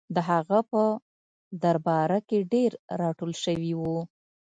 د هغه په درباره کې ډېر راټول شوي وو.